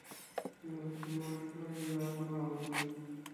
ilo suno li loje la o awen.